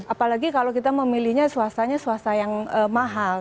apalagi kalau kita memilihnya swastanya swasta yang mahal